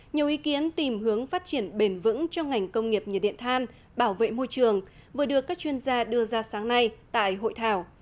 nhiều ý kiến tìm hướng phát triển bền vững cho ngành công nghiệp nhiệt điện than bảo vệ môi trường vừa được các chuyên gia đưa ra sáng nay tại hội thảo